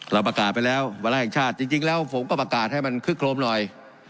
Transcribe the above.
เราประกาศไปแล้ววาระแห่งชาติจริงแล้วผมก็ประกาศให้มันคึกโครมหน่อย